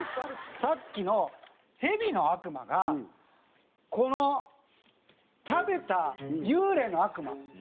さっきのヘビの悪魔がこの食べた幽霊の悪魔。